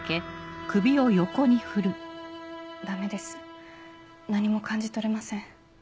ダメです何も感じ取れません。